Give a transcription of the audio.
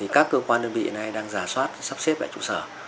các cơ quan đơn vị đang giả soát sắp xếp lại chủ sở